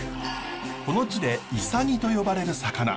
この地でイサギと呼ばれる魚。